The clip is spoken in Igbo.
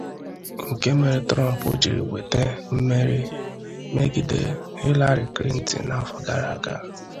nke mere Trump jiri nwete mmeri megide Hillary Clinton n’afọ gara aga.